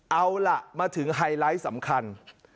เอาล่ะมาถึงไฮไลท์สำคัญ